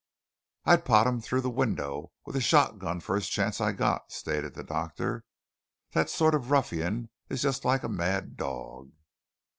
"I'd pot him through the window with a shotgun first chance I got," stated the doctor; "that sort of a ruffian is just like a mad dog."